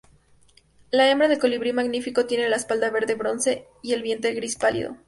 La hembra de colibrí magnífico tiene la espalda verde-bronce y el vientre gris pálido.